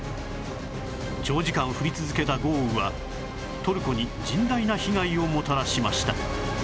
長時間降り続けた豪雨はトルコに甚大な被害をもたらしました